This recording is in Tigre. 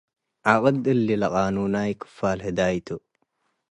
ዐቅድ፣ እሊ ለቃኑናይ ክፋል ህዳይ ቱ ።